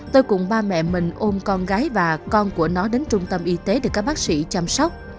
tôi cùng ba mẹ mình ôm con gái và con của nó đến trung tâm y tế để các bác sĩ chăm sóc